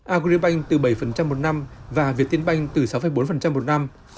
agribank từ bảy một năm và viettinbank từ sáu bốn một năm